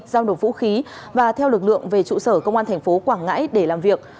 giao đột vũ khí và theo lực lượng về trụ sở công an tp quảng ngãi để làm việc